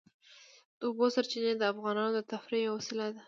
د اوبو سرچینې د افغانانو د تفریح یوه وسیله ده.